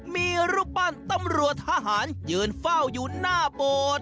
มีรูปปั้นตำรวจทหารยืนเฝ้าอยู่หน้าโบสถ์